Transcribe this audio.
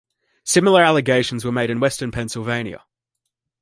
Similar allegations were made in Western Pennsylvania.